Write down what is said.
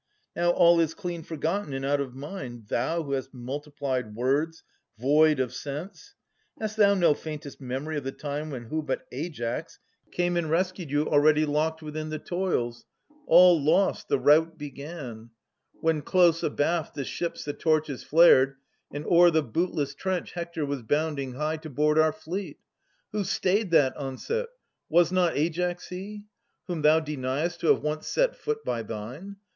Now all is clean forgotten and out of mind. Thou who hast multiplied words void of sense, Hast thou no faintest memory of the time When who but Aias came and rescued you Already locked within the toils, — all lost, The rout begun: when close abaft the ships The torches flared, and o'er the bootless trench Hector was bounding high to board our fleet? Who stayed that onset? Was not Aias he? Whom thou deny'st to have once set foot by thine.